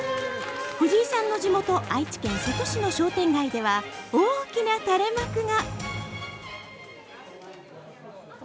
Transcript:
藤井さんの地元、愛知県瀬戸市の商店街では大きな垂れ幕が。